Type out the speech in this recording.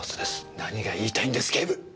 何が言いたいんです警部！